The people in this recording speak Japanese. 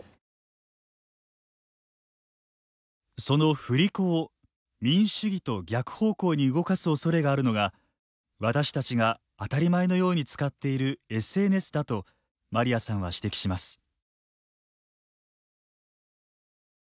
その振り子を民主主義と逆方向に動かす恐れがあるのが私たちが当たり前のように使っているＳＮＳだとマリアさんは指摘します。